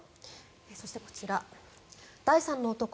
そして、こちら、第三の男。